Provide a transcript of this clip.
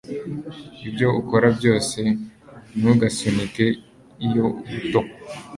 ibyo ukora byose, ntugasunike iyo buto